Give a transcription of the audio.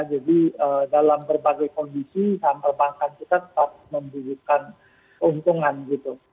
jadi dalam berbagai kondisi saham perbankan juga tetap membutuhkan keuntungan gitu